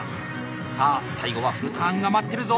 さあ最後はフルターンが待ってるぞ。